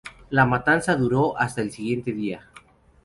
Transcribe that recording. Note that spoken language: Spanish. La matanza duró hasta el siguiente día.